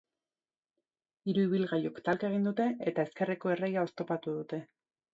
Hiru ibilgailuk talka egin dute eta ezkerreko erreia oztopatu dute.